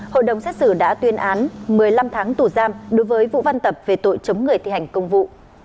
hội đồng xét xử đã tuyên án một mươi năm tháng tù giam đối với vũ văn tập về tội chống người thi hành công vụ